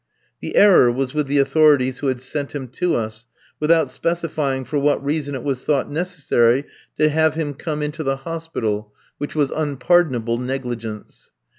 The error was with the authorities who had sent him to us, without specifying for what reason it was thought necessary to have him come into the hospital which was unpardonable negligence.